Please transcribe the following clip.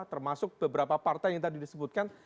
termasuk beberapa partai yang tadi disebutkan